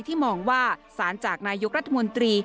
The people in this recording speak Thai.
มองว่าสารจากนายกรัฐมนตรี